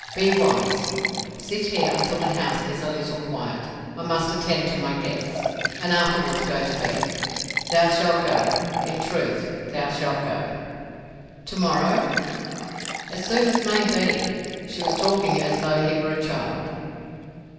Be wise. Sit here until the house is a little quiet—I must attend to my guests—and afterwards go to bed. Thou shalt go, in truth, thou shalt go." "To morrow?" "As soon as may be." She was talking as though he were a child.